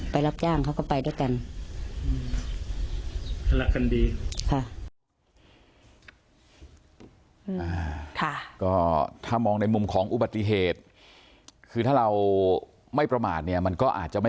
รับจ้างเขาก็ไปด้วยกัน